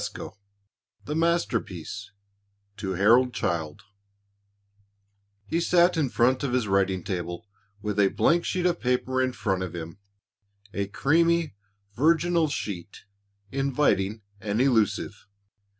VII THE MASTERPIECE [To HAROLD CHILD] He sat in front of his writing table with a blank sheet of paper in front of him a creamy, virginal sheet, inviting and elusive.